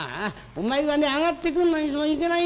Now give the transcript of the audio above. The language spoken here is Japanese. お前はね上がってくるのにそれいけないよ。